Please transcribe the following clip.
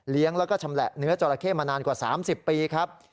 แล้วก็ชำแหละเนื้อจราเข้มานานกว่า๓๐ปีครับ